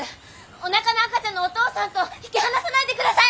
おなかの赤ちゃんのお父さんと引き離さないで下さい！